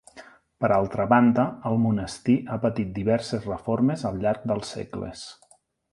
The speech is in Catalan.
Per altra banda, el monestir ha patit diverses reformes al llarg dels segles.